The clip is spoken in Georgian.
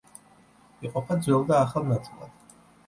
იყოფა ძველ და ახალ ნაწილად.